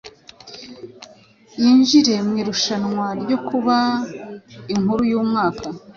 yinjire mu irushanwa ryo kuba inkuru y’umwaka.